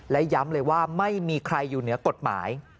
และย้ำเลยว่าไม่มีใครอยู่เหนือกฎหมาย